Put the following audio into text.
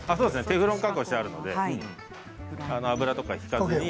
テフロン加工してあるので油とか引かずに。